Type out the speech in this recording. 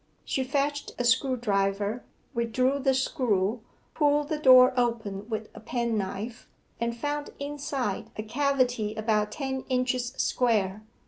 She fetched a screwdriver, withdrew the screw, pulled the door open with a penknife, and found inside a cavity about ten inches square.